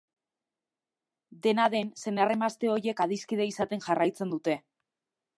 Dena den, senar-emazte ohiek adiskide izaten jarraitzen dute.